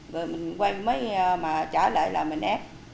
rồi mình quay mới trở lại là mình ép